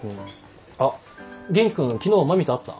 あっ元気君昨日麻美と会った？